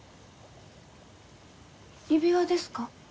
指輪ですか？